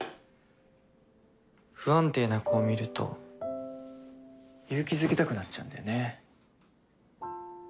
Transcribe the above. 不安定な子を見ると勇気づけたくなっちゃうんだよね。